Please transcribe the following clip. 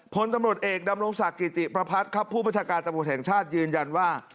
พลตำรวจเอกดำรงศักดิ์กิติประพัฒน์ครับผู้ประชาการตำรวจแห่งชาติยืนยันว่า